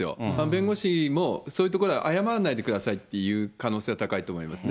弁護士も、そういうところは謝らないでくださいと言う可能性は高いと思います。